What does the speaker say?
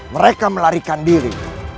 mereka melarikan diri